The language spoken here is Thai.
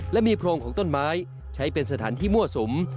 และมีโพรงของต้นไม้ใช้เป็นสถานที่มั่วสุม